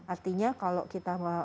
artinya kalau kita